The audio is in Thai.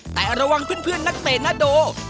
แต่ระวังเพื่อนนักเตะนาโด